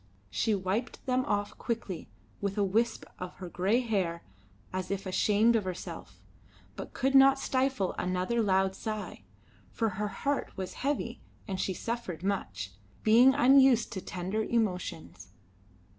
She wiped them off quickly with a wisp of her grey hair as if ashamed of herself, but could not stifle another loud sigh, for her heart was heavy and she suffered much, being unused to tender emotions.